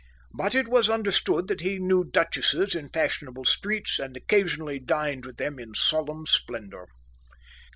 But it was understood that he knew duchesses in fashionable streets, and occasionally dined with them in solemn splendour.